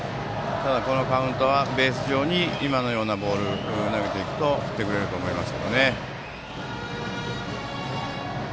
ただこのカウントだとベース上に今のようなボールを投げると振ってくれると思います。